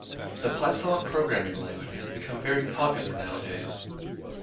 The python programming language has become very popular nowadays